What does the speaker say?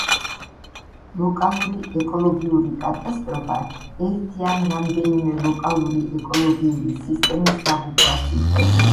ლოკალური ეკოლოგიური კატასტროფა ერთი ან რამდენიმე ლოკალური ეკოლოგიური სისტემის დაღუპვას იწვევს.